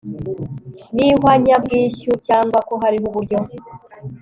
n ihwanyabwishyu cyangwa ko hariho uburyo